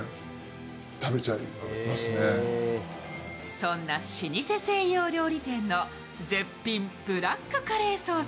そんな老舗西洋料理店の絶品ブラックカレーソース。